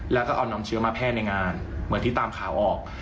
แล้วก็เอานำเชื้อมาแพร่ในงานเหมือนที่ตามข่าวออก